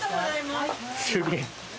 すげえ。